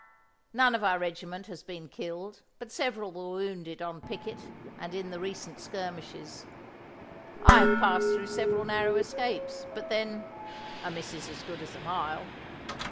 "None of our regiment has been killed, but several were wounded on picket and in the recent skirmishes. I have passed through several narrow escapes, but then 'a miss is as good as a mile.'